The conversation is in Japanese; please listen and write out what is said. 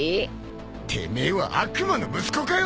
てめえは悪魔の息子かよ！